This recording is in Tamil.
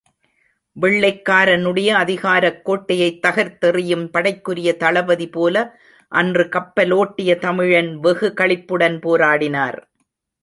வெள்ளைக்காரனுடைய அதிகாரக் கோட்டையைத் தகர்த்தெறியும் படைக்குரிய தளபதி போல அன்று கப்பலோட்டிய தமிழன் வெகு களிப்புடன் போராடினார்.